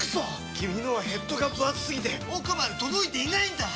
君のはヘッドがぶ厚すぎて奥まで届いていないんだっ！